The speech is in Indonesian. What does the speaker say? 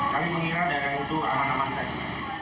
kami mengira daerah itu aman aman saja